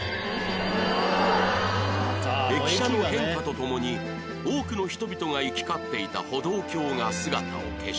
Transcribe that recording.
駅舎の変化とともに多くの人々が行き交っていた歩道橋が姿を消し